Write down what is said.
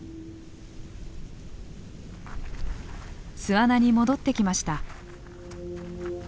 巣穴に戻ってきました。